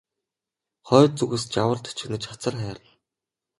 Хойд зүгээс жавар тачигнаж хацар хайрна.